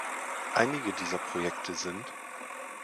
Einige dieser Projekte sind